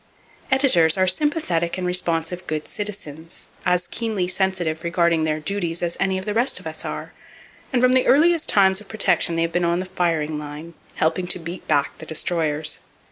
Editors are sympathetic and responsive good citizens, as keenly sensitive regarding their duties as any of the rest of us are, and from the earliest times of protection they have been on the firing line, helping to beat back the destroyers.